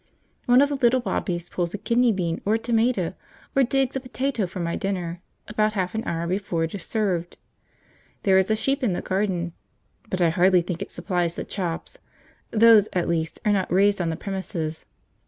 One of the little Bobbies pulls a kidney bean or a tomato or digs a potato for my dinner, about half an hour before it is served. There is a sheep in the garden, but I hardly think it supplies the chops; those, at least, are not raised on the premises.